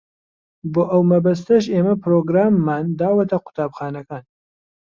بۆ ئەو مەبەستەش ئێمە پرۆگراممان داوەتە قوتابخانەکان.